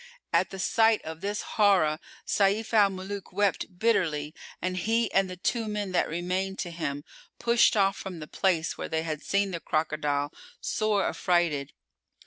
At the sight of this horror Sayf al Muluk wept bitterly and he and the two men[FN#408] that remained to him pushed off from the place where they had seen the crocodile, sore affrighted.